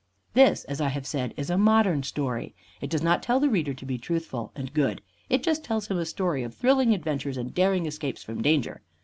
This, as I have said, is a modern story. It does not tell the reader to be truthful and good. It just tells him a story of thrilling adventures and daring escapes from danger.